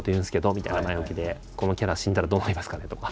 みたいな前置きで「このキャラ死んだらどうなりますかね」とか。